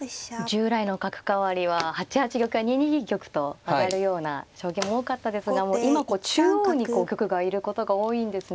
従来の角換わりは８八玉や２二玉と上がるような将棋も多かったですが今こう中央に玉がいることが多いんですね。